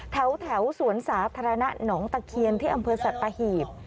แถวสวนสาธารณะหนองตะเคียนที่อำเภอสัตหีบ